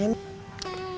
gimana kalau gak ada masalah